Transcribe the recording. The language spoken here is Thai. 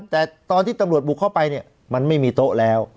แต่ตอนที่ตำรวจบุกเข้าไปเนี่ยมันไม่มีโต๊ะแล้ว